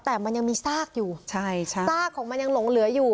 แต่มันยังมีซากอยู่ใช่ใช่ซากของมันยังหลงเหลืออยู่